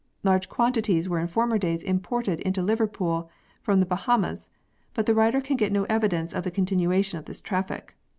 Large quantities were in former days imported into Liverpool from the Ba hamas, but the writer can get no evidence of the continuation of this traffic.